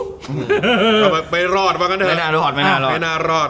ไม่น่ารอด